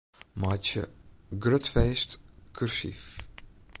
Meitsje 'grut feest' kursyf.